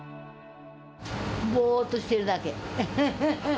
ぼーっとしてるだけ。